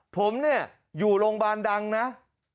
ผมอยู่โรงบาลดังเนอะ